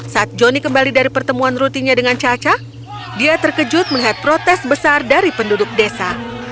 saat johnny kembali dari pertemuan rutinnya dengan caca dia terkejut melihat protes besar dari penduduk desa